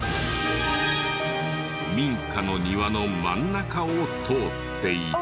民家の庭の真ん中を通っていた。